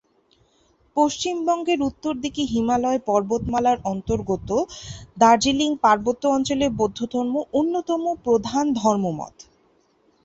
পশ্চিমবঙ্গের উত্তর দিকে হিমালয় পর্বতমালার অন্তর্গত দার্জিলিং পার্বত্য অঞ্চলে বৌদ্ধধর্ম অন্যতম প্রধান ধর্মমত।